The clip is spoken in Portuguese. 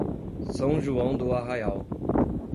São João do Arraial